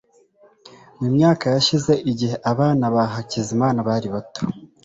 mu myaka yashize, igihe abana ba hakizimana bari bato